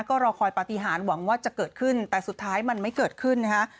ก็รอคอยปฏิหารหวังว่าจะเกิดขึ้นแต่สุดท้ายมันไม่เกิดขึ้นนะฮะ